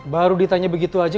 baru ditanya begitu aja